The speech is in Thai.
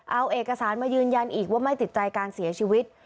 เอาเอกสารมายืนยันอีกว่าไม่ติดใจการเสียชีวิต